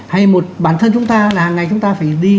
hay một bản thân chúng ta là hàng ngày chúng ta phải đi